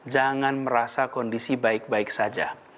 jangan merasa kondisi baik baik saja